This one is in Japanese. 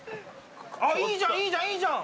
あっいいじゃんいいじゃんいいじゃん。